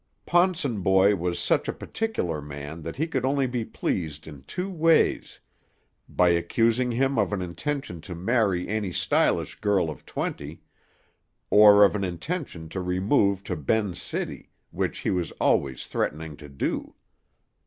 Ponsonboy was such a particular man that he could only be pleased in two ways by accusing him of an intention to marry any stylish girl of twenty, or of an intention to remove to Ben's City, which he was always threatening to do.